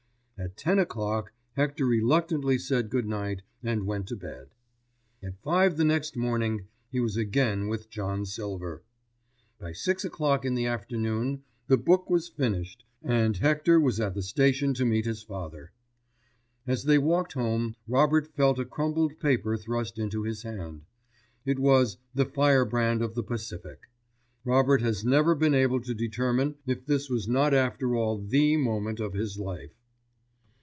At ten o'clock Hector reluctantly said good night and went to bed. At five the next morning he was again with John Silver. By six o'clock in the afternoon the book was finished and Hector was at the station to meet his father. As they walked home Robert felt a crumpled paper thrust into his hand. It was The Firebrand of the Pacific. Robert has never been able to determine if this was not after all the moment of his life.